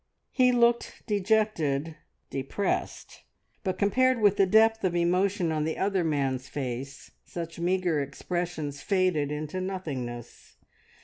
He looked dejected, depressed; but compared with the depth of emotion on the other man's face, such meagre expressions faded into nothingness.